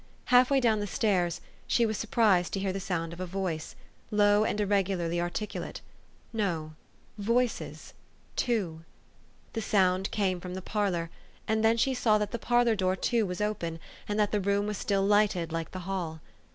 Half way down the stairs, she was surprised to hear the sound of a voice, low and irregularly artic ulate ; no voices two. The sound came from the parlor ; and then she saw that the parlor door, too, was open, and that the room was still lighted like the hall.